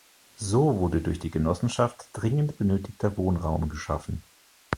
So wurde durch die Genossenschaft dringend benötigter Wohnraum geschaffen.